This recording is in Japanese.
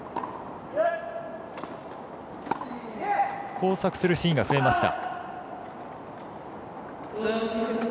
交錯するシーンが増えました。